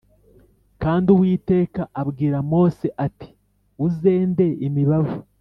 kandi uwiteka abwira mose ati uzende imibavu